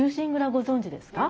ご存じですか？